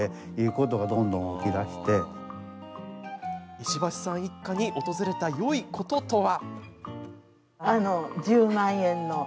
石橋さん一家に訪れたよいこととは？